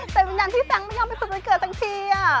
แต่วิญญาณที่แฟงค์ไม่ยอมไปสุดเกิดถึงพี่